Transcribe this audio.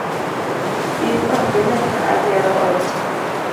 in okine ka agero odcha?